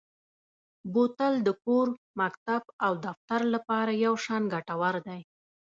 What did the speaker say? بوتل د کور، مکتب او دفتر لپاره یو شان ګټور دی.